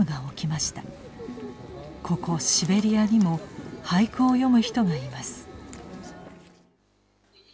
ここシベリアにも俳句を詠む人がいます。